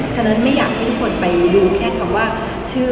ฉะนั้นไม่อยากให้ทุกคนไปดูแค่คำว่าชื่อ